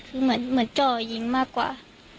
คือเหมือนจ่อยิงมากกว่า